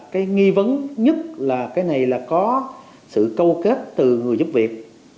cái nghi vấn nhất là cái này là có sự câu kết từ người giúp việc